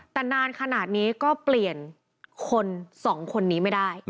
แต่นานขนาดนี้ก็เปลี่ยนคนสองคนนี้ไม่ได้